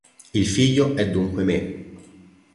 Il figlio è dunque me.